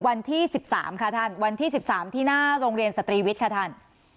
วันที่๑๓ค่ะท่านวันที่๑๓ที่หน้าโรงเรียนสตรีวิทย์ค่ะท่าน